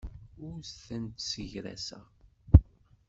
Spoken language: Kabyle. Ur tent-ssegraseɣ.